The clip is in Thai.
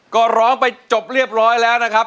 ก็ร้องไปจบเรียบร้อยแล้วนะครับ